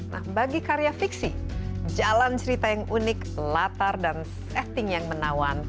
nah bagi karya fiksi jalan cerita yang unik latar dan setting yang menawan